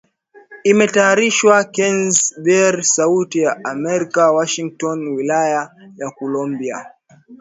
Imetayarishwa na Kennes Bwire, Sauti ya amerka Washington wilaya ya Kolumbia